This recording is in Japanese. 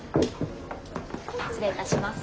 失礼いたします。